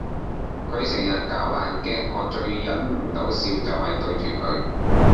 佢成日搞爛 gag 我最忍唔到笑就係對住佢